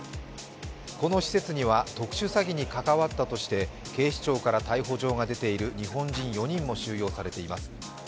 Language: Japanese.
この施設には特殊詐欺に関わったとして警視庁から逮捕状が出ている日本人４人も収容されています。